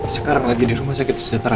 sekarang lagi di rumah sakit sejahtera